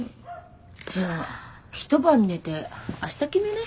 じゃあ一晩寝て明日決めない？